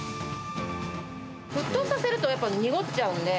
沸騰させると、やっぱ濁っちゃうんで。